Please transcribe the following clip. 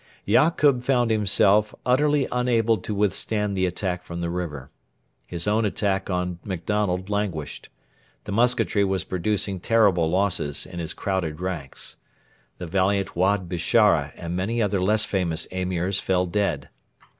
Yakub found himself utterly unable to withstand the attack from the river. His own attack on MacDonald languished. The musketry was producing terrible losses in his crowded ranks. The valiant Wad Bishara and many other less famous Emirs fell dead.